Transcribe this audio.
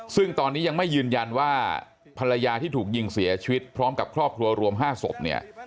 ซึ่งตอนนี้ยังไม่ยืนยันว่าภรรยาที่ถูกยิงเสียชีวิตพร้อมกับครอบครัวรวม๕ศพเนี่ย